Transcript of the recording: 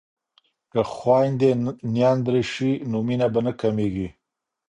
که خویندې نندرې شي نو مینه به نه کمیږي.